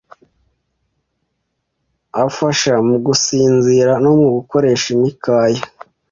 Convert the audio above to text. afasha mu gusinzira no gukoresha imikaya,